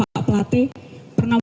pak pelate pernah